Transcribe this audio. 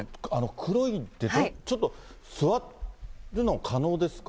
黒いけど、ちょっと座るの可能ですか？